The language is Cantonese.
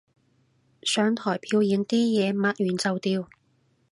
上台表演啲嘢抹完就掉